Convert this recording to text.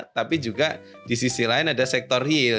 tapi juga di sisi lain ada sektor real